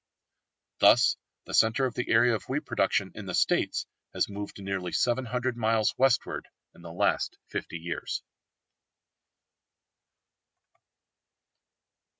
Thus the centre of the area of wheat production in the States has moved nearly 700 miles westward in the last 50 years.